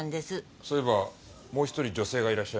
そういえばもう１人女性がいらっしゃいましたね。